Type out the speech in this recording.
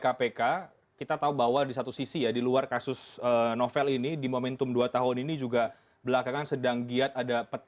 kemudian kita bisa mengeluarkan tracedownasi kadar mau mencapai sampai une fat shirt